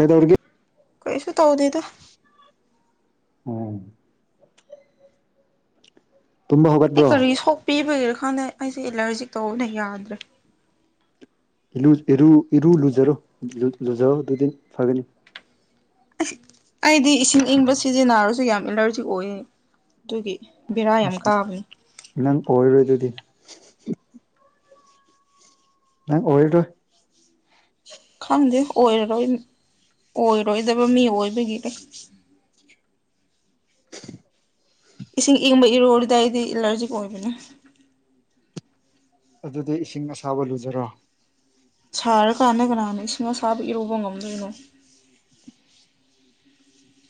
ꯀꯩꯗꯧꯔꯤꯒꯦ ꯀꯩꯁꯨ ꯇꯧꯗꯦꯗ ꯎꯝ꯫ ꯇꯨꯝꯕ ꯑꯩ ꯍꯧꯒꯠꯄ꯭ꯔꯣ ꯀꯔꯤ ꯁꯣꯛꯄꯤꯕꯒꯤꯔ ꯈꯡꯗꯦ ꯑꯩꯁꯦ ꯑꯦꯂꯔꯖꯤꯛ ꯇꯧꯕꯅ ꯌꯥꯗ꯭ꯔꯦ ꯏꯂꯨ ꯏꯔꯨ ꯏꯔꯨ ꯂꯨꯖꯔꯨ ꯂꯨ ꯂꯨꯖꯧ ꯑꯗꯨꯗꯤ ꯐꯥꯒꯅꯤ ꯑꯁ ꯑꯩꯗꯤ ꯏꯁꯤꯡ ꯑꯏꯪꯕ ꯁꯤꯖꯤꯟꯅꯔꯁꯨ ꯌꯥꯝ ꯑꯦꯂꯔꯖꯤꯛ ꯑꯣꯏꯌꯦ ꯑꯗꯨꯒꯤ ꯕꯦꯔꯥ ꯌꯥꯝ ꯑꯁ ꯀꯥꯕꯅꯤ ꯅꯪ ꯑꯣꯏꯔꯣꯏ ꯑꯗꯨꯗꯤ ꯅꯪ ꯑꯣꯏꯔꯔꯣꯏ ꯈꯪꯗꯦ ꯑꯣꯏꯔꯔꯣꯏ ꯑꯣꯏꯔꯣꯏꯗꯕ ꯃꯤ ꯑꯣꯏꯕꯒꯤꯅꯦ ꯏꯁꯤꯡ ꯏꯪꯕ ꯏꯔꯨꯨ ꯂꯨꯔꯗꯤ ꯑꯩꯗꯤ ꯑꯦꯂꯔꯖꯤꯛ ꯑꯣꯏꯕꯅꯤ ꯑꯗꯨꯗꯤ ꯏꯁꯤꯡ ꯑꯁꯥꯕ ꯂꯨꯖꯔꯣ ꯁꯥꯔ ꯀꯥꯟꯗ ꯀꯅꯥꯅ ꯏꯁꯤꯡ ꯑꯁꯥꯕ ꯏꯔꯧꯕ ꯉꯝꯗꯣꯏꯅꯣ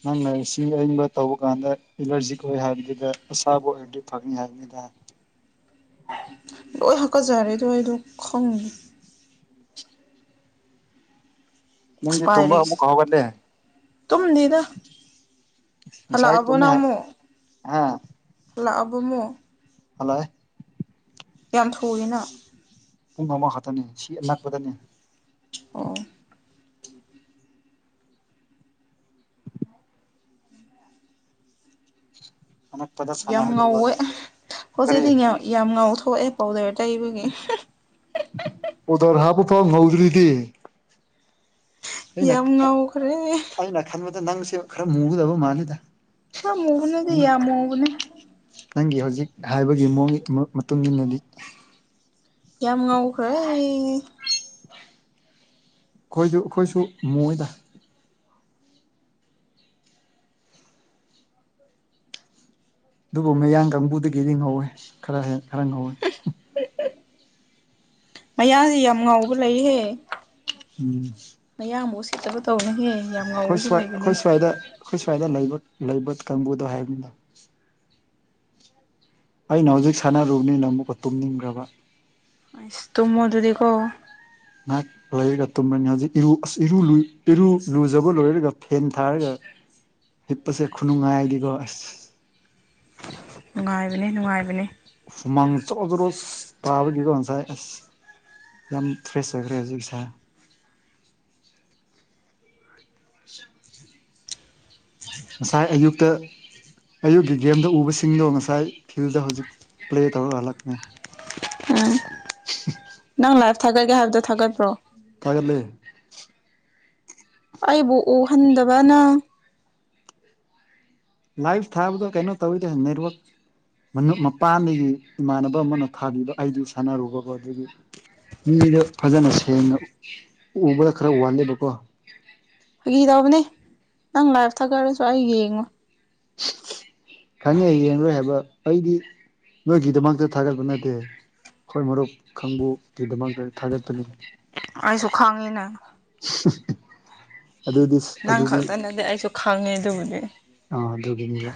ꯅꯪꯅ ꯏꯁꯤꯡ ꯑꯏꯪꯕ ꯇꯧꯕ ꯀꯥꯟꯗ ꯑꯦꯂ꯭ꯔꯖꯤꯛ ꯑꯣꯏ ꯍꯥꯏꯕꯗꯨꯗ ꯑꯁꯥꯕ ꯑꯣꯏꯔꯗꯤ ꯐꯒꯅꯤ ꯍꯥꯏ ꯅꯤꯗ ꯂꯣꯏ ꯍꯥꯀꯠꯆꯔꯦꯗꯣ ꯑꯩꯗꯣ ꯈꯪ ꯅꯪꯗꯤ ꯑꯁ ꯇꯨꯝꯕ ꯑꯃꯨꯛꯀ ꯍꯧꯒꯠꯂꯦ [unintelligible] ꯇꯨꯝꯗꯦꯗ ꯍꯜꯂꯛ ꯉꯁꯥꯏ ꯑꯕꯣ ꯇꯨꯝꯃꯤ ꯍꯥꯏ ꯅꯪꯃꯨꯛ ꯍꯥ ꯍꯜꯂꯛ ꯑꯕꯣ ꯃꯨꯛ ꯍꯜꯂꯛꯑꯦ ꯌꯥꯝ ꯊꯨꯑꯦꯅ ꯄꯨꯡ ꯑꯃ ꯈꯛꯇꯅꯤ ꯁꯤ ꯑꯅꯛꯄꯗꯅꯦ ꯑꯣ ꯑꯅꯛꯄꯗ ꯌꯥꯝ ꯁꯥꯟꯅꯔꯒ ꯂꯣꯏ ꯉꯥꯎꯋꯦ ꯀꯔꯤ ꯍꯧꯖꯤꯛꯇꯤ ꯌꯥꯝ ꯌꯥꯝ ꯉꯥꯎꯊꯣꯛꯑꯦ ꯄꯥꯎꯗꯔ ꯇꯩꯕꯒꯤ ꯄꯥꯟꯗ꯭ꯔ ꯍꯥꯞꯄꯐꯥꯎ ꯉꯧꯗ꯭ꯔꯗꯤ ꯑꯩꯅ ꯌꯥꯝ ꯉꯧꯈ꯭ꯔꯦ ꯑꯩꯅ ꯈꯟꯕꯗ ꯅꯪꯁꯦ ꯈꯔ ꯃꯨꯒꯗꯕ ꯃꯥꯜꯂꯦꯗ ꯈꯥꯔ ꯃꯨꯕ ꯅꯠꯇꯦ ꯌꯥꯝ ꯃꯨꯕꯅꯦ ꯅꯪꯒꯤ ꯍꯧꯖꯤꯛ ꯍꯥꯏꯕꯒꯤ ꯃꯑꯣꯡ ꯃꯇꯨꯡ ꯏꯟꯅꯗꯤ ꯌꯥꯝ ꯉꯧꯈ꯭ꯔꯦ ꯈꯣꯏꯁꯨ ꯑꯩꯈꯣꯏꯁꯨ ꯃꯨꯏꯗ ꯑꯗꯨꯕꯨ ꯃꯌꯥꯡ ꯀꯥꯡꯕꯨꯗꯒꯤꯗꯤ ꯉꯧꯋꯦ ꯈꯔ ꯍꯦꯟ ꯈꯔ ꯉꯧꯋꯦ [unintelligible] ꯃꯌꯥꯡꯗꯤ ꯌꯥꯝ ꯉꯥꯎꯕ ꯂꯩꯍꯦ ꯎꯝ ꯃꯌꯥꯡꯕꯨ ꯎꯁꯤꯠꯇꯕ ꯇꯧꯅꯣ ꯍꯦ ꯑꯩꯈꯣꯏ ꯁ꯭ꯋꯥꯏ ꯑꯩꯈꯣꯐ ꯁ꯭ꯋꯥꯏꯗ ꯑꯩꯈꯣ ꯁ꯭ꯋꯥꯏꯗ ꯂꯩ ꯂꯩꯕ ꯀꯥꯡꯕꯨꯗꯣ ꯍꯥꯏꯕꯅꯤꯗ ꯑꯩꯅ ꯍꯧꯖꯤꯛ ꯁꯥꯟꯅꯔꯨꯕꯅꯤꯅ ꯑꯃꯨꯛꯀ ꯇꯨꯝꯅꯤꯡꯈ꯭ꯔꯕ ꯑꯁ ꯇꯨꯝꯃꯣ ꯑꯗꯨꯗꯤꯀꯣ ꯉꯥꯛ ꯂꯣꯏꯔꯒ ꯇꯨꯝꯃꯅꯤ ꯍꯧꯖꯤꯛ ꯏꯔꯨ ꯑꯁ ꯏꯔꯨ ꯏꯔꯨ ꯂꯨꯖꯕ ꯂꯣꯏꯔꯒ ꯐꯦꯟ ꯊꯥꯔꯒ ꯍꯤꯞꯄꯁꯦ ꯈꯨꯅꯨꯡꯉꯥꯏꯗꯤꯀꯣ ꯑꯁ ꯅꯨꯡꯉꯥꯏꯕꯅꯦ ꯅꯨꯡꯉꯥꯏꯕꯅꯦ ꯍꯨꯃꯥꯡ ꯖꯣꯔꯣ ꯖꯣꯔꯣ ꯇꯥꯕꯒꯤꯀꯣ ꯉꯁꯥꯏ ꯑꯁ ꯌꯥꯝ ꯐ꯭ꯔꯦꯁ ꯑꯣꯏꯈ꯭ꯔꯦ ꯍꯧꯖꯤꯛ ꯁꯦ [unintelligible] ꯉꯁꯥꯏ ꯑꯌꯨꯛꯇ ꯑꯌꯨꯛꯀꯤ ꯒꯦꯝꯗ ꯎꯕꯁꯤꯡꯗꯣ ꯉꯁꯥꯏ ꯐꯤꯜꯗ ꯍꯧꯖꯤꯛ ꯄ꯭ꯂꯦ ꯇꯧꯔꯛ ꯍꯜꯂꯛꯄꯅꯦ ꯎꯝ ꯅꯪ ꯂꯥꯏꯐ ꯊꯥꯒꯠꯀꯦ ꯍꯥꯏꯕꯗꯣ ꯊꯥꯒꯠꯄ꯭ꯔꯣ ꯊꯥꯒꯠꯂꯦ ꯑꯩꯕꯨ ꯎꯍꯟꯗꯕ ꯅꯪ ꯂꯥꯏꯐ ꯊꯥꯕꯗꯣ ꯀꯩꯅꯣ ꯇꯧꯋꯤꯗ ꯅꯦꯠꯋꯥꯛ ꯃꯄꯥꯟꯗꯒꯤ ꯏꯃꯥꯟꯅꯕ ꯑꯃꯅ ꯊꯥꯕꯤꯕ ꯑꯩꯗꯤ ꯁꯥꯟꯅꯔꯨꯕꯀꯣ ꯑꯗꯨꯒꯤ ꯃꯤꯗꯣ ꯐꯖꯅ ꯁꯦꯡꯅ ꯎꯕꯗ ꯈꯔ ꯋꯥꯠꯂꯦꯕꯀꯣ ꯐꯥꯒꯤ ꯇꯧꯕꯅꯦ ꯅꯪ ꯂꯥꯏꯐ ꯊꯥꯒꯠꯂꯁꯨ ꯑꯩ ꯌꯦꯡꯉꯣꯏ ꯈꯪꯉꯦ ꯌꯦꯡꯔꯣꯢ ꯍꯥꯢꯕ ꯑꯩꯗꯤ ꯅꯣꯢꯒꯤꯗꯃꯛꯇ ꯊꯥꯒꯠꯄ ꯅꯠꯇꯦ ꯑꯩꯈꯣꯢ ꯃꯔꯨꯞ ꯈꯥꯡꯕꯨ ꯒꯤꯗꯃꯛꯇ ꯊꯥꯒꯠꯄꯅꯤ ꯑꯩꯁꯨ ꯈꯪꯉꯤꯅ ꯍꯨꯝ ꯑꯗꯨꯗꯤ ꯑꯗꯨꯗꯤ ꯅꯥꯪꯗꯤ ꯑꯩꯁꯨ ꯈꯪꯉꯦ ꯑꯗꯨꯕꯨꯗꯤ ꯑꯥ ꯑꯗꯨꯒꯤꯅꯦꯕ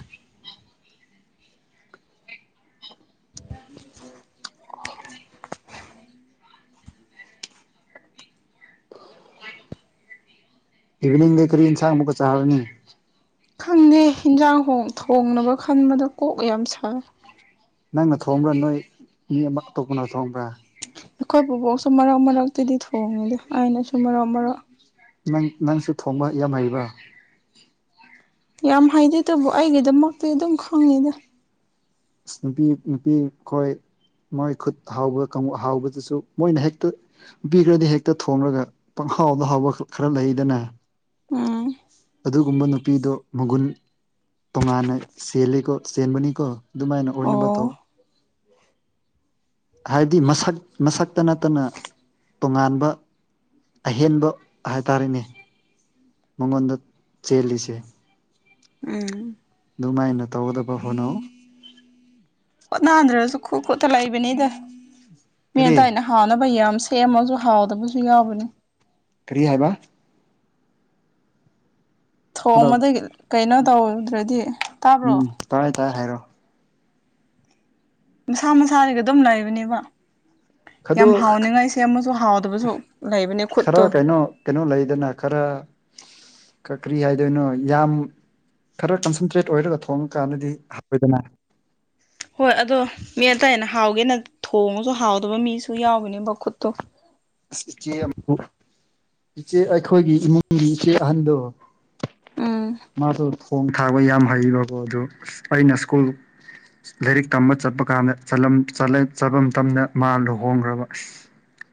ꯏꯕꯤꯅꯤꯡꯗꯤ ꯀꯔꯤ ꯏꯟꯁꯥꯡ ꯑꯃꯨꯛꯀ ꯆꯥꯔꯅꯤ ꯈꯪꯗꯦ ꯍꯟꯖꯥꯡ ꯍꯣꯡ ꯊꯣꯡꯅꯕ ꯈꯟꯕꯗ ꯀꯣꯛ ꯌꯥꯝ ꯁꯥꯏ ꯅꯪꯅ ꯊꯣꯡꯕ꯭ꯔꯥ ꯅꯣꯏ ꯃꯤ ꯑꯃ ꯑꯇꯣꯞꯄꯅ ꯊꯣꯡꯕ꯭ꯔꯥ ꯑꯩꯈꯣꯏ ꯕꯨꯕꯣꯛꯁꯨ ꯃꯔꯛ ꯃꯔꯛꯇꯗꯤ ꯊꯣꯡꯉꯤꯗ ꯑꯩꯅꯁꯨ ꯃꯔꯛ ꯃꯔꯛ ꯅꯪ ꯅꯪꯁꯨ ꯊꯣꯡꯕ ꯌꯥꯝ ꯍꯩꯕ꯭ꯔꯥ ꯌꯥꯝ ꯍꯥꯏꯗꯦ ꯑꯗꯨꯕꯨ ꯑꯩꯒꯤꯗꯃꯛꯇꯤ ꯑꯗꯨꯝ ꯈꯪꯅꯤꯗ ꯑꯁ ꯅꯨꯄꯤ ꯅꯨꯄꯤ ꯈꯣꯏ ꯃꯣꯏ ꯈꯨꯠ ꯍꯥꯎꯕ ꯀꯥꯡꯕꯨ ꯍꯥꯎ ꯍꯥꯎꯕꯗꯁꯨ ꯃꯣꯏꯅ ꯍꯦꯛꯇ ꯅꯨꯄꯤꯈ꯭ꯔꯗꯤ ꯍꯦꯛꯇ ꯊꯣꯡꯔꯥꯒ ꯄꯪꯍꯥꯎꯗ ꯍꯥꯎꯕ ꯈꯔ ꯂꯩꯗꯅ ꯎꯝ ꯑꯗꯨꯒꯨꯝꯕ ꯅꯨꯄꯤꯗꯣ ꯃꯒꯨꯟ ꯇꯣꯉꯥꯟꯅ ꯆꯦꯂꯤꯀꯣ ꯆꯦꯟꯕꯅꯤꯀꯣ ꯑꯗꯨꯃꯥꯏꯅ ꯑꯣꯏꯅꯕ ꯑꯣ ꯇꯧ ꯍꯥꯏꯗꯤ ꯃꯁꯛ ꯃꯁꯛꯇ ꯅꯠꯇꯅ ꯇꯣꯉꯥꯟꯕ ꯑꯍꯦꯟꯕ ꯍꯥꯏꯇꯥꯔꯦꯅꯦ ꯃꯉꯣꯟꯗ ꯆꯦꯜꯂꯤꯁꯦ ꯎꯝ ꯑꯗꯨꯃꯥꯏꯅ ꯇꯧꯒꯗꯕ ꯍꯣꯠꯅꯧ ꯍꯣꯠꯅꯗ꯭ꯔꯁꯨ ꯈꯨꯠ ꯈꯨꯠꯇ ꯂꯩꯕꯅꯤꯗ ꯃꯤ ꯀꯔꯤ ꯑꯇꯩꯅ ꯍꯥꯎꯅꯕ ꯌꯥꯝ ꯁꯦꯝꯃꯁꯨ ꯍꯥꯎꯇꯥꯕꯁꯨ ꯌꯥꯎꯕꯅꯤ ꯀꯔꯤ ꯍꯥꯢꯕ ꯍꯜꯂꯣ ꯊꯣꯡꯕꯗꯒꯤ ꯀꯩꯅꯣ ꯇꯧꯗ꯭ꯔꯗꯤ ꯇꯥꯕ꯭ꯔꯣ ꯇꯥꯥꯢ ꯇꯥꯢ ꯍꯥꯢꯔꯣ ꯃꯁꯥ ꯃꯁꯥꯗꯒꯤ ꯗꯨꯝ ꯂꯩꯕꯅꯦꯕ ꯈꯗꯣ ꯌꯥꯝ ꯍꯥꯎꯅꯤꯡꯉꯥꯏ ꯁꯦꯝꯃꯁꯨ ꯍꯥꯎꯇꯥꯕꯁꯨ ꯂꯩꯕꯅꯦ ꯈꯨꯠꯇꯨ ꯈꯔ ꯀꯩꯅꯣ ꯀꯩꯅꯣ ꯂꯩꯗꯅ ꯈꯔ ꯀ ꯀ꯭ꯔꯤ ꯍꯥꯏꯗꯣꯏꯅꯣ ꯌꯥꯝ ꯈꯔ ꯀꯟꯁꯟꯇ꯭ꯔꯦꯠ ꯑꯣꯏꯔꯒ ꯊꯣꯡꯉꯀꯥꯟꯗꯗꯤ ꯍꯥꯎꯋꯦꯗꯅ ꯍꯣꯏ ꯑꯗꯣ ꯃꯤ ꯑꯇꯩꯅ ꯍꯥꯎꯒꯦꯅ ꯊꯣꯡꯉꯁꯨ ꯍꯥꯎꯇꯥꯕ ꯃꯤꯁꯨ ꯌꯥꯎꯕꯅꯦꯕ ꯈꯨꯠꯇꯣ ꯑꯁ ꯏꯆꯦ ꯑꯃ ꯏꯆꯦ ꯑꯩꯈꯣꯏꯒꯤ ꯏꯃꯨꯡꯒꯤ ꯏꯆꯦ ꯑꯍꯟꯗꯣ ꯎꯝ ꯃꯥꯗꯣ ꯊꯣꯡ ꯊꯥꯛꯕ ꯌꯥꯝ ꯍꯩꯕꯀꯣ ꯑꯗꯨ ꯑꯩꯅ ꯁ꯭ꯀꯨꯜ ꯂꯥꯏꯔꯤꯛ ꯇꯝꯕ ꯆꯠꯄ ꯀꯥꯟꯗ ꯆꯠꯂꯝ ꯆꯂꯦ ꯆꯠꯄ ꯃꯇꯝꯗ ꯃꯥ ꯂꯨꯍꯣꯡꯒ꯭ꯔꯕ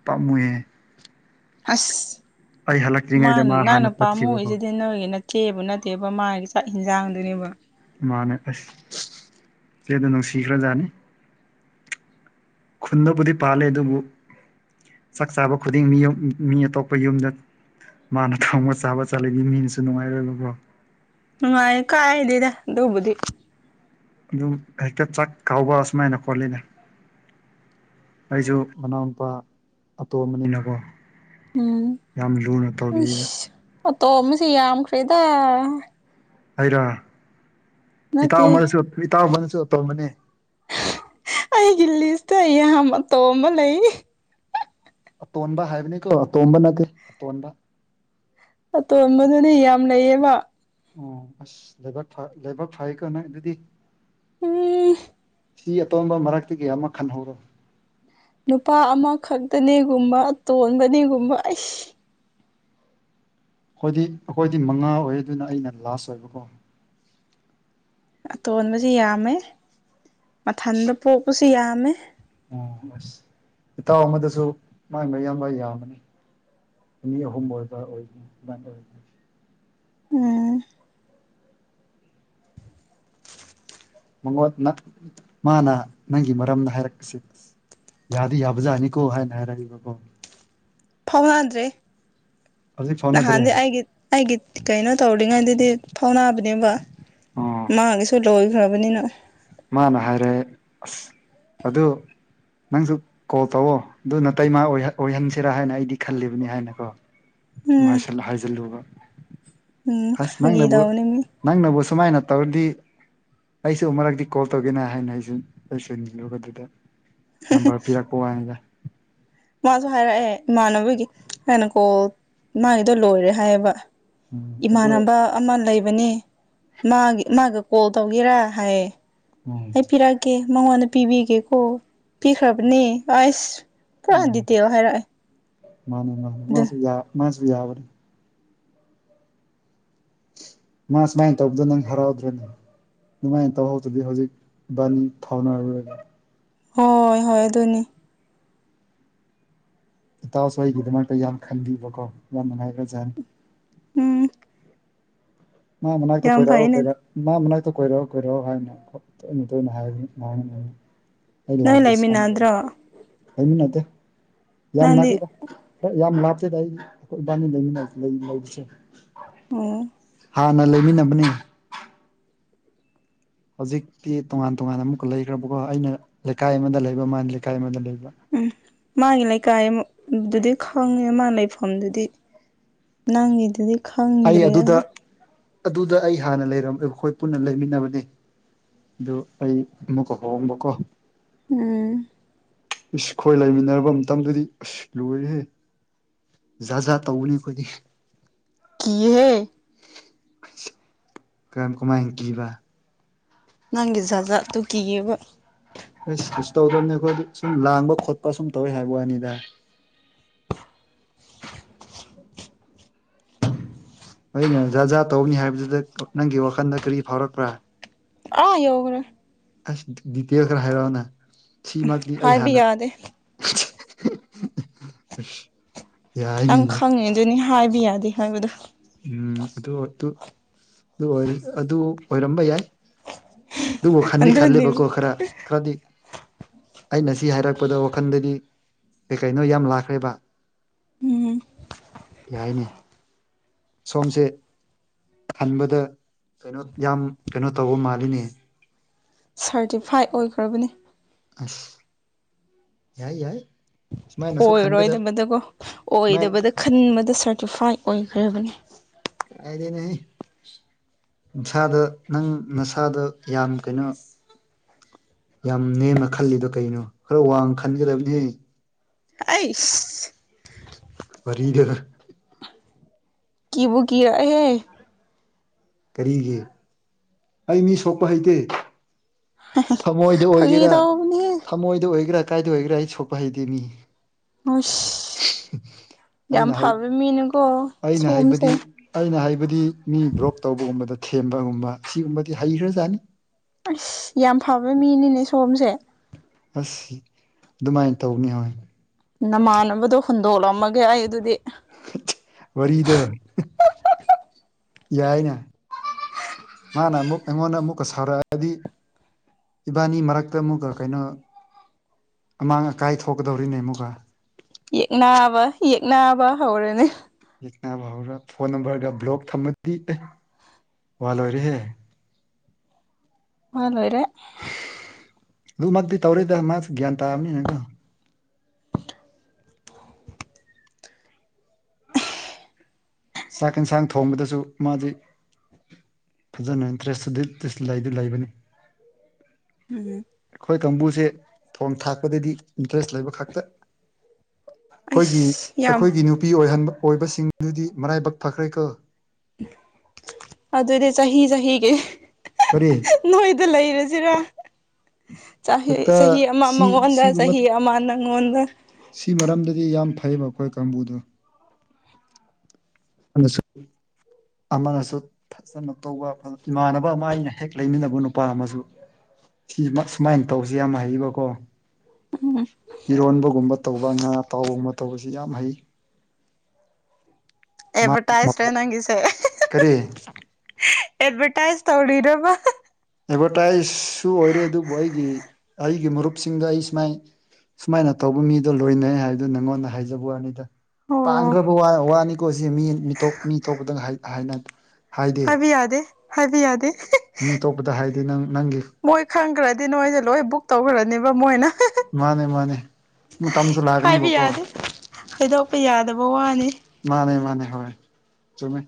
ꯄꯥꯝꯃꯨꯏꯌꯦ ꯑꯁ ꯑꯩ ꯃꯥ ꯍꯜꯂꯛꯇ꯭ꯔꯤꯉꯩꯗ ꯍꯥꯟꯅ ꯅꯪꯅ ꯄꯥꯥꯝꯃꯨꯏ ꯆꯠꯈꯤꯕꯀꯣ ꯖꯤꯗꯤ ꯅꯣꯏꯒꯤ ꯅꯠ ꯆꯦꯕ ꯅꯠꯇꯦꯕ ꯃꯥꯒꯤ ꯆꯥꯛ ꯍꯤꯟꯖꯥꯡꯗꯨꯅꯦꯕ ꯃꯥꯅꯦ ꯑꯁ ꯏꯆꯦꯗꯣ ꯅꯨꯡꯁꯤꯈ꯭ꯔꯖꯥꯠꯅꯤ ꯈꯨꯟꯗꯕꯨꯗꯤ ꯄꯥꯜꯂꯦ ꯑꯗꯨꯕꯨ ꯆꯥꯛ ꯆꯥꯕ ꯈꯨꯗꯤꯡ ꯃꯤꯌꯣ ꯃꯤ ꯑꯇꯣꯞꯄ ꯌꯨꯝꯗ ꯃꯥꯅ ꯊꯣꯡꯕ ꯆꯥꯕ ꯆꯠꯂꯤꯗꯤ ꯃꯤꯅꯁꯨ ꯅꯨꯡꯉꯥꯏꯔꯣꯏꯕꯀꯣ ꯅꯨꯡꯉꯥꯏ ꯀꯥꯏꯗꯦꯗ ꯑꯗꯨꯕꯨꯗꯤ ꯑꯗꯨꯝ ꯍꯦꯛꯇ ꯆꯥꯛ ꯀꯥꯎꯕ ꯁꯨꯃꯥꯏꯅ ꯈꯣꯠꯂꯤꯅ ꯑꯩꯖꯨ ꯃꯅꯥꯎꯅꯨꯄꯥ ꯑꯇꯣꯝꯕꯅꯤꯅꯀꯣ ꯌꯥꯝ ꯂꯨꯅ ꯇꯧꯕꯤꯌꯦꯕ ꯑꯇꯣꯝꯕꯁꯤ ꯌꯥꯝꯈ꯭ꯔꯦꯗ ꯑꯩꯔ ꯏꯇꯥꯎ ꯅꯠꯇꯦ ꯑꯃꯅꯁꯨ ꯏꯇꯥꯎ ꯑꯃꯅꯁꯨ ꯇꯣꯝꯕꯅꯦ ꯑꯩꯒꯤ ꯂꯤꯁꯇ ꯌꯥꯝ ꯑꯇꯣꯝꯕ ꯂꯩ ꯑꯇꯣꯟꯕ ꯍꯥꯢꯕꯅꯤꯀꯣ ꯑꯇꯣꯝꯕ ꯅꯠꯇꯦ ꯑꯇꯣꯟꯕ ꯑꯇꯣꯟꯕꯗꯨꯅꯤ ꯌꯥꯝ ꯂꯩꯌꯦꯕ ꯑꯣ ꯑꯁ ꯂꯩꯕꯥꯛ ꯐ ꯂꯩꯕꯥꯛ ꯐꯩꯀꯣ ꯅꯪ ꯑꯗꯨꯗꯤ ꯎꯝ ꯏ ꯁꯤ ꯑꯇꯣꯝꯕ ꯃꯔꯛꯇꯒꯤ ꯑꯃ ꯈꯟꯍꯧꯔꯣ ꯅꯨꯄꯥ ꯑꯃꯈꯛꯇꯅꯦꯒꯨꯝꯕ ꯇꯣꯟꯕꯅꯦꯒꯨꯝꯕ ꯑꯩꯁ ꯈꯣꯢꯗꯤ ꯑꯩꯈꯣꯢꯗꯤ ꯃꯉꯥ ꯑꯣꯢ ꯑꯗꯨꯅ ꯑꯩꯅ ꯂꯥꯁ ꯑꯣꯢꯕꯀꯣ ꯑꯇꯣꯟꯕꯖꯤ ꯌꯥꯝꯃꯦ ꯃꯊꯟꯗ ꯄꯣꯛꯄꯁꯤ ꯌꯥꯝꯃꯦ ꯎꯝ ꯑꯁ ꯏꯇꯥꯎ ꯑꯃꯗꯨꯁꯨ ꯃꯥꯢ ꯃꯌꯥꯝꯕ ꯌꯥꯝꯕꯅꯤ ꯃꯤ ꯑꯍꯨꯝ ꯑꯣꯢꯕ ꯑꯣꯢ ꯗꯨꯃꯥꯢ ꯇꯧꯏ ꯎꯝ ꯃꯉꯣꯟꯅ ꯃꯥꯅ ꯅꯪꯒꯤ ꯃꯔꯝꯗ ꯍꯥꯢꯔꯛꯁꯤ ꯌꯥꯗꯤ ꯌꯥꯕꯖꯥꯅꯤꯀꯣ ꯍꯥꯢꯅ ꯍꯥꯢꯔꯛꯏꯕꯀꯣ ꯊꯥꯎ ꯍꯥꯟꯗ꯭ꯔꯤ ꯍꯧꯖꯤꯛ ꯐꯥꯎꯅꯗ꯭ꯔꯦ ꯑꯩꯒꯤ ꯀꯩꯅꯣ ꯇꯧꯔꯤꯉꯩꯗꯗꯤ ꯐꯥꯎꯅꯕꯅꯦꯕ ꯑꯣ ꯃꯥꯒꯤꯁꯨ ꯂꯣꯢꯈ꯭ꯔꯕꯅꯤꯅ ꯃꯥꯅ ꯍꯥꯢꯔꯦ ꯑꯁ ꯑꯗꯨ ꯅꯪꯖꯨ ꯀꯣꯜ ꯇꯧꯋꯣ ꯗꯨ ꯅꯇꯩꯃꯥ ꯑꯣꯢꯍ ꯑꯣꯢꯍꯟꯁꯤꯔꯥ ꯍꯥꯢꯅ ꯑꯩꯗꯤ ꯈꯜꯂꯤꯕꯅꯤ ꯍꯥꯢꯅꯀꯣ ꯁꯨꯝ ꯎꯝ ꯍꯥꯢꯁꯜ ꯍꯥꯢꯖꯜꯂꯨꯕ ꯎꯝ ꯑꯁ ꯐꯥꯒꯤ ꯅꯪꯅꯕꯨ ꯇꯧꯕꯅꯦ ꯃꯤ ꯅꯪꯅꯕꯨ ꯁꯨꯃꯥꯢꯅ ꯇꯧꯔꯗꯤ ꯑꯩꯁꯨ ꯃꯔꯛꯇꯤ ꯀꯣꯜ ꯇꯧꯒꯦꯅ ꯍꯥꯢꯅ ꯑꯩꯁꯨ ꯂꯣꯢꯁꯟꯂꯨꯕꯗꯨꯗ ꯅꯝꯕꯔ ꯄꯤꯔꯛꯄ ꯋꯥꯅꯤꯗ ꯃꯥꯁꯨ ꯍꯥꯏꯔꯑꯦ ꯏꯃꯥꯟꯅꯕꯒꯤ ꯑꯩꯅ ꯀꯣꯜ ꯃꯥꯒꯤꯗꯣ ꯂꯣꯢꯔꯦ ꯍꯥꯢꯌꯦꯕ ꯎꯝ ꯑꯗꯣ ꯏꯃꯥꯟꯅꯕ ꯑꯃ ꯂꯩꯕꯅꯤ ꯃꯥꯒꯤ ꯃꯥꯒ ꯀꯣꯜ ꯇꯧꯒꯦꯔꯥ ꯍꯥꯢꯌꯦ ꯎꯝ ꯑꯩ ꯄꯤꯔꯛꯀꯦ ꯃꯉꯣꯟꯗ ꯄꯤꯕꯤꯒꯦꯀꯣ ꯄꯤꯈ꯭ꯔꯕꯅꯦ ꯑꯁ ꯄ꯭ꯔꯥ ꯎꯝ ꯗꯤꯇꯦꯜ ꯍꯥꯢꯔꯛꯑꯦ ꯃꯥꯅꯦ ꯃꯥꯅꯦ ꯃꯥꯁꯨ ꯌꯥ ꯃꯥꯁꯨ ꯌꯥꯕꯅꯤ ꯃꯥ ꯁꯨꯃꯥꯢꯅ ꯇꯧꯕꯗꯣ ꯅꯪ ꯍꯔꯥꯎꯗ꯭ꯔꯣꯅꯦ ꯗꯨꯃꯥꯢꯅ ꯇꯧꯍꯧꯗꯗꯤ ꯍꯧꯖꯤꯛ ꯏꯕꯅꯤ ꯐꯥꯎꯅꯔꯔꯣꯢꯕ ꯍꯣꯢ ꯍꯣꯢ ꯑꯗꯨꯅꯤ ꯏꯇꯥꯎꯁꯨ ꯑꯩꯒꯤꯗꯃꯛꯇ ꯌꯥꯝ ꯈꯟꯕꯤꯕꯀꯣ ꯌꯥꯝ ꯅꯨꯡꯉꯥꯢꯈ꯭ꯔꯖꯥꯠꯅꯤ ꯎꯝ ꯃꯥ ꯃꯅꯥꯛꯇ ꯌꯥꯝ ꯀꯣꯢꯔꯑꯣ ꯐꯩꯅꯦ ꯀꯣꯢꯔꯛ ꯃꯥ ꯃꯅꯥꯛꯇ ꯀꯣꯢꯔꯛꯑꯣ ꯀꯣꯢꯔꯛꯑꯣ ꯍꯥꯢꯕꯅꯤ ꯍꯣꯢ ꯇꯣꯢꯅ ꯇꯣꯢꯅ ꯍꯥꯢꯕꯅꯤ [unintelligible] ꯑꯩ ꯅꯣꯏ ꯂꯥꯛꯄ ꯁꯪꯗꯕ ꯂꯩꯃꯤꯟꯅꯗ꯭ꯔꯣ ꯂꯩꯃꯤꯟꯅꯗꯦ ꯌꯥꯝ ꯅꯪꯗꯤ ꯅꯛꯏꯗ ꯍꯣꯢ ꯌꯥꯝ ꯂꯥꯞꯇꯦꯗ ꯑꯩꯈꯣꯢꯕꯅꯤ ꯂꯩꯃꯤꯟꯅ ꯂꯩ ꯂꯩ ꯂꯩꯕꯁꯦ ꯑꯣ ꯍꯥꯟꯅ ꯂꯩꯃꯤꯟꯅꯕꯅꯦ ꯍꯧꯖꯤꯛꯇꯤ ꯇꯣꯉꯥꯟ ꯇꯣꯉꯥꯟ ꯑꯃꯨꯛꯀ ꯂꯩꯈ꯭ꯔꯕꯀꯣ ꯑꯩꯅ ꯂꯩꯀꯥꯢ ꯑꯃꯗ ꯂꯩꯕ ꯃꯥꯅ ꯂꯩꯀꯥꯢ ꯑꯃꯗ ꯂꯩꯕ ꯎꯝ ꯃꯥꯒꯤ ꯂꯩꯀꯥꯢ ꯃꯨꯛ ꯑꯗꯨꯗꯤ ꯈꯪꯉꯦ ꯃꯥ ꯂꯩꯐꯝꯗꯨꯗꯤ ꯅꯪꯒꯤꯗꯨꯒꯤ ꯑꯩ ꯑꯗꯨꯗ ꯑꯗꯨꯗ ꯑꯩ ꯍꯥꯟꯅ ꯂꯩꯔꯝꯃꯦ ꯑꯩꯈꯣꯏ ꯄꯨꯟꯅ ꯂꯩꯃꯤꯟꯅꯕꯅꯦ ꯗꯨ ꯑꯩ ꯑꯃꯨꯛꯀ ꯍꯣꯡꯕꯀꯣ ꯎꯝ ꯏꯁ ꯈꯣꯏ ꯂꯩꯃꯤꯟꯅꯔꯥꯕ ꯃꯇꯝꯗꯨꯗꯤ ꯑꯁ ꯂꯣꯏꯔꯦꯍꯦ ꯖꯥꯠ ꯖꯥꯠ ꯇꯧꯕꯅꯤ ꯑꯩꯈꯣꯏꯗꯤ ꯀꯤꯌꯦꯍꯦ ꯀꯥꯔꯝ ꯀꯃꯥꯏ꯭ꯟ ꯀꯤꯕ ꯅꯪꯒꯤ ꯖꯥꯠ ꯖꯥꯠ ꯇꯨ ꯀꯤꯌꯦꯕ ꯑꯦꯁ ꯀꯩꯁꯨ ꯇꯧꯗꯕꯅꯦ ꯑꯈꯣꯏꯗꯤ ꯁꯨꯝ ꯂꯥꯡꯕ ꯈꯣꯠꯄ ꯁꯨꯝ ꯇꯧꯋꯦ ꯍꯥꯏꯕ ꯋꯥꯅꯤꯗ ꯍꯣꯢꯅꯦ ꯖꯥꯠ ꯖꯥꯠ ꯇꯧꯕꯅꯤ ꯍꯥꯏꯕꯗꯨꯗ ꯅꯪꯒꯤ ꯋꯥꯈꯟꯗ ꯀꯔꯤ ꯐꯥꯎꯔꯛꯄ꯭ꯔꯥ ꯑꯥ ꯌꯧꯒ꯭ꯔꯦ ꯑꯁ ꯗꯤꯒꯤꯇꯦꯜ ꯈꯔ ꯍꯥꯏꯔꯛꯑꯣꯅ ꯁꯤꯃꯛꯇꯤ ꯑꯩ ꯍꯥꯏꯕ ꯍꯥꯟꯅ ꯌꯥꯗꯦ [unintelligible] ꯅꯪ ꯌꯥꯏꯅꯦ ꯈꯪꯉꯤꯗꯨꯅꯤ ꯍꯥꯏꯕ ꯌꯥꯗꯦ ꯍꯥꯏꯕꯗꯨ ꯎꯝ ꯑꯗꯣꯗꯨ ꯑꯗꯨꯑꯣꯏꯔꯥ ꯑꯣ ꯑꯗꯨ ꯑꯣꯏꯔꯝꯕ ꯌꯥꯏ ꯑꯗꯨꯕꯨ ꯈꯟꯗꯤ ꯈꯜꯂꯦꯕꯀꯣ ꯑꯗꯨꯅꯦꯕ ꯈꯔ ꯈꯔꯗꯤ ꯑꯩꯅ ꯁꯤ ꯍꯥꯏꯔꯛꯗꯣ ꯋꯥꯈꯟꯗꯗꯤ ꯀꯩꯀꯩꯅꯣ ꯌꯥꯝ ꯂꯥꯛꯈ꯭ꯔꯦꯕ ꯎꯝ ꯌꯥꯏꯅꯦ ꯁꯣꯝꯁꯦ ꯍꯟꯕꯗ ꯀꯩꯅꯣ ꯌꯥꯝ ꯀꯩꯅꯣ ꯇꯧꯕ ꯃꯥꯜꯂꯤꯅꯦ ꯁꯥꯔꯇꯤꯐꯥꯏ ꯑꯣꯏꯈ꯭ꯔꯕꯅꯤ ꯑꯁ ꯌꯥꯏ ꯌꯥꯏ ꯁꯨꯃꯥꯏꯅꯁꯨ ꯈꯟꯒꯗꯕ ꯑꯣꯏꯔꯣꯏꯗꯕꯗꯀꯣ ꯁꯨꯃꯥꯏ ꯑꯣꯏꯗꯕꯗ ꯈꯟꯕꯗ ꯁꯥꯔꯇꯤꯐꯥꯏꯠ ꯑꯣꯏꯈ꯭ꯔꯕꯅꯤ ꯀꯥꯏꯗꯩꯅꯣꯍꯦ ꯅꯁꯥꯗ ꯅꯪ ꯅꯁꯥꯗ ꯌꯥꯝ ꯀꯩꯅꯣ ꯌꯥꯝ ꯅꯦꯝꯅ ꯈꯜꯂꯤꯗꯣ ꯀꯩꯅꯣ ꯈꯔ ꯋꯥꯡꯅ ꯈꯟꯒꯗꯕꯅꯦꯍꯦ ꯑꯩꯁ ꯋꯥꯔꯤꯗꯣ ꯀꯤꯕꯨ ꯀꯤꯔꯛꯑꯦꯍꯦ ꯀꯔꯤꯒꯤ ꯑꯩ ꯃꯤ ꯁꯣꯛꯄ ꯍꯩꯇꯦ ꯊꯃꯣꯏꯗ ꯐꯥꯒꯤ ꯑꯣꯏꯒꯦꯔꯥ ꯇꯧꯕꯅꯦꯍꯦ ꯊꯃꯣꯏꯗ ꯑꯣꯏꯒꯦꯔꯥ ꯀꯥꯏꯗ ꯑꯣꯏꯒꯦꯔꯥ ꯑꯩ ꯁꯣꯛꯄ ꯍꯩꯇꯦ ꯃꯤ ꯍꯁ ꯌꯥꯝ ꯑꯩꯅ ꯍꯩ ꯐꯥꯕꯤ ꯃꯤꯅꯦꯀꯣ ꯑꯩꯅ ꯍꯥꯏꯕꯗꯤ ꯑꯩꯅ ꯍꯥꯏꯕꯗꯤ ꯃꯤ ꯕ꯭ꯔꯣꯛ ꯇꯧꯕꯒꯨꯝꯕꯗꯨ ꯊꯦꯝꯕꯒꯨꯝꯕ ꯁꯤꯒꯨꯝꯕꯗꯤ ꯍꯩꯈ꯭ꯔꯖꯥꯠꯅꯤ ꯑꯁ ꯌꯥꯝ ꯐꯕ ꯃꯤꯅꯤꯅꯦ ꯁꯣꯝꯁꯦ ꯑꯁ ꯑꯗꯨꯃꯥꯏꯅ ꯇꯧꯕꯥꯅꯤ ꯍꯣꯏ ꯅꯃꯥꯟꯅꯕꯗꯣ ꯍꯨꯟꯗꯣꯛꯂꯝꯃꯒꯦ ꯑꯩ ꯑꯗꯨꯗꯤ ꯋꯥꯔꯤꯗꯣ ꯌꯥꯏꯅꯦ ꯃꯥꯅ ꯑꯃꯨꯛ ꯑꯩꯉꯣꯟꯗ ꯑꯃꯨꯛꯀ ꯁꯥꯎꯔꯛꯑꯗꯤ ꯏꯕꯥꯅꯤ ꯃꯔꯛꯇ ꯑꯃꯨꯛꯒ ꯀꯩꯅꯣ ꯑꯃꯥꯡ ꯑꯀꯥꯏ ꯊꯣꯛꯀꯗꯧꯔꯤꯅꯦ ꯑꯃꯨꯛꯒ ꯌꯦꯛꯅꯕ ꯌꯦꯛꯅꯕ ꯍꯧꯔꯅꯤ ꯌꯦꯛꯅꯥꯕ ꯍꯩꯔ ꯐꯣꯟ ꯅꯝꯕꯔꯗ ꯕ꯭ꯂꯣꯛ ꯊꯝꯃꯗꯤ ꯋꯥ ꯂꯣꯏꯔꯦꯍꯦ ꯋꯥ ꯂꯣꯏꯔꯦ ꯑꯗꯨꯃꯛꯇꯤ ꯇꯧꯔꯣꯏꯗ ꯃꯥꯁꯨ ꯒ꯭ꯌꯥꯟ ꯇꯥꯕꯅꯤꯅꯥꯀꯣ ꯆꯥꯛ ꯌꯦꯟꯁꯥꯡ ꯊꯣꯡꯕꯗꯁꯨ ꯃꯥꯗꯤ ꯐꯖꯅ ꯏꯟꯇꯔꯦꯁꯇꯨꯗꯤ ꯂꯩꯗꯤ ꯂꯩꯕꯅꯤ ꯎꯝ ꯑꯩꯈꯣꯏ ꯀꯥꯡꯕꯨꯁꯦ ꯊꯣꯡ ꯊꯥꯛꯄꯗꯗꯤ ꯏꯟꯇꯔꯦꯁ ꯂꯩꯕ ꯈꯛꯇ ꯑꯩꯈꯣꯏꯒꯤ ꯑꯩꯁ ꯌꯥꯝ ꯑꯩꯈꯣꯏꯒꯤ ꯅꯨꯄꯤ ꯑꯣꯏꯍꯟ ꯑꯣꯏꯕꯁꯤꯡꯗꯨꯗꯤ ꯃꯔꯥꯏꯕꯛ ꯐꯈ꯭ꯔꯦ ꯀꯣ ꯑꯗꯨꯗꯤ ꯆꯍꯤ ꯆꯍꯤꯒꯤ ꯀꯔꯤ ꯅꯣꯏꯗ ꯂꯩꯔꯁꯤꯔꯥ ꯆꯍꯤ ꯍꯦꯛꯇ ꯆꯍꯤ ꯑꯃ ꯁꯤ ꯃꯉꯣꯟꯗ ꯁꯤꯒꯨꯝꯕ ꯆꯍꯤ ꯑꯃ ꯅꯪꯉꯣꯟꯗ ꯁꯤ ꯃꯔꯝꯗꯗꯤ ꯌꯥꯝ ꯐꯩꯕ ꯑꯩꯈꯣꯏ ꯀꯥꯡꯕꯨꯗꯣ ꯑꯃꯁꯨ ꯑꯃꯁꯨ ꯐꯖꯅ ꯇꯧꯕ ꯏꯃꯥꯟꯅꯕ ꯑꯃ ꯑꯩꯅ ꯍꯦꯛ ꯂꯩꯃꯤꯟꯅꯕ ꯅꯨꯄꯥ ꯑꯃꯁꯨ ꯁꯤ ꯁꯨꯃꯥꯏꯅ ꯇꯧꯕꯁꯤ ꯌꯥꯝ ꯍꯩꯕꯀꯣ ꯎꯝ ꯏꯔꯣꯟꯕꯒꯨꯝꯕ ꯇꯧꯕ ꯉꯥ ꯑꯇꯥꯎꯕꯒꯨꯝꯕ ꯇꯧꯕꯁꯤ ꯌꯥꯝ ꯍꯩ ꯃꯥ ꯑꯦꯠꯚꯔꯇꯥꯏꯁꯔ ꯅꯪꯒꯤꯁꯦ ꯀꯔꯤ ꯑꯦꯠꯚꯔꯇꯥꯏꯁ ꯇꯧꯔꯤꯔꯕ ꯑꯦꯗꯚꯔꯇꯥꯏꯁꯁꯨ ꯑꯣꯏꯔꯦ ꯑꯗꯨꯕꯨ ꯑꯩꯒꯤ ꯑꯩꯒꯤ ꯃꯔꯨꯞꯁꯤꯡꯗ ꯑꯩ ꯁꯨꯃꯥꯏ ꯁꯨꯃꯥꯏꯅ ꯇꯧꯕ ꯃꯤꯗꯣ ꯂꯣꯏꯅꯩ ꯍꯥꯏꯕꯗꯨ ꯅꯪꯉꯣꯟꯗ ꯍꯥꯏꯖꯕ ꯋꯥꯅꯤꯗ ꯑꯣ ꯇꯥꯡꯈ꯭ꯔꯕ ꯋꯥ ꯋꯥꯅꯤꯀꯣ ꯁꯤ ꯃꯤ ꯃꯤꯇꯣꯞ ꯃꯤ ꯑꯇꯣꯞꯄꯗ ꯍꯥꯏ ꯍꯥꯏꯅ ꯍꯥꯏꯗꯦ ꯍꯥꯏꯕ ꯌꯥꯗꯦ ꯍꯥꯏꯕ ꯌꯥꯗꯦ ꯃꯤ ꯑꯇꯣꯞꯄꯗ ꯍꯥꯏꯗꯤ ꯅꯪ ꯅꯪꯒꯤ ꯃꯣꯏ ꯈꯪꯈ꯭ꯔꯗꯤ ꯅꯣꯏꯁꯦ ꯂꯣꯏ ꯕꯨꯛ ꯇꯧꯈ꯭ꯔꯅꯦꯕ ꯃꯣꯏꯅ ꯃꯥꯅꯦ ꯃꯥꯅꯦ ꯃꯇꯝꯁꯨ ꯍꯥꯏꯕ ꯂꯥꯛꯀꯅꯤꯕꯀꯣ ꯌꯥꯗꯦ ꯍꯥꯏꯗꯣꯛꯄ ꯌꯥꯗꯕ ꯋꯥꯅꯦ ꯃꯥꯅꯦ ꯃꯥꯅꯦ ꯍꯣꯏ ꯆꯨꯝꯃꯤ